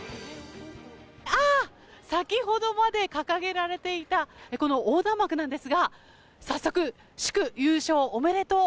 あー、先ほどまで掲げられていたこの横断幕なんですが、早速、祝優勝おめでとう！